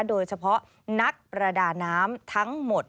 โดยเฉพาะนักประดาน้ำทั้งหมด